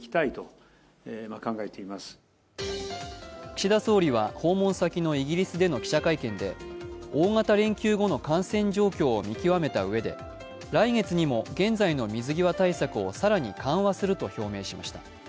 岸田総理は訪問先のイギリスでの記者会見で大型連休後の感染状況を見極めたうえで来月にも現在の水際対策を更に緩和すると表明しました。